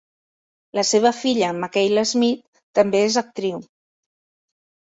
La seva filla Makyla Smith també és actriu.